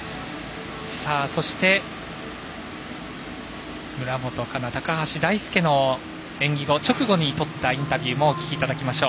そして、村元哉中、高橋大輔の演技後直後に撮ったインタビューもお聞きいただきましょう。